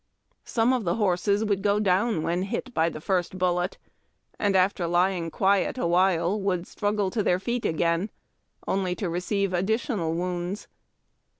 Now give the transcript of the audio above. Some of the horses would go down when hit by the first bullet and after lying quiet awhile would struggle to their feet again only to receive additional wounds.